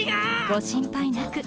ご心配なく。